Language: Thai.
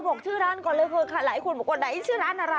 บอกชื่อร้านก่อนเลยเถอะค่ะหลายคนบอกว่าไหนชื่อร้านอะไร